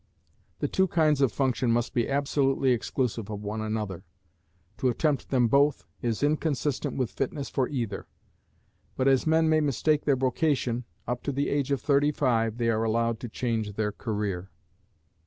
The two kinds of function must be absolutely exclusive of one another: to attempt them both, is inconsistent with fitness for either. But as men may mistake their vocation, up to the age of thirty five they are allowed to change their career.